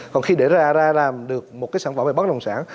còn khi để ra được một cái sản phẩm bất đồng sản